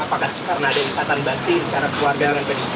apakah karena ada ikatan batin secara keluarga dengan pdip